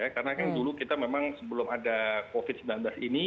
karena dulu kita memang sebelum ada covid sembilan belas ini